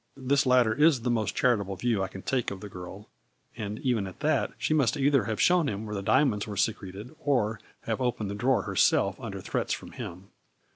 This latter is the most chari table view I can take of the girl, and even at that she must either have shown him where the diamonds were secreted or have opened the drawer herself under threats from him.